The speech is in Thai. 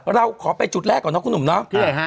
เราขอไปจุดแรกก่อนนะคุณหนุ่มเนาะ